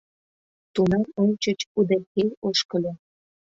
Тунам ончыч удэхей ошкыльо.